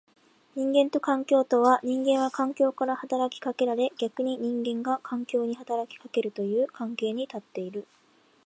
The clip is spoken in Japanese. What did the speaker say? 人間と環境とは、人間は環境から働きかけられ逆に人間が環境に働きかけるという関係に立っている。